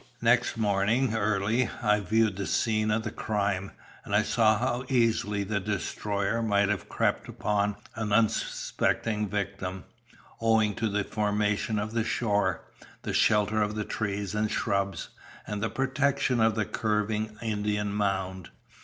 "Next morning, early, I viewed the scene of the crime, and I saw how easily the destroyer might have crept upon an unsuspecting victim, owing to the formation of the shore, the shelter of the trees and shrubs, and the protection of the curving Indian Mound.